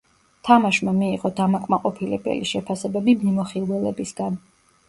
თამაშმა მიიღო დამაკმაყოფილებელი შეფასებები მიმოხილველებისგან.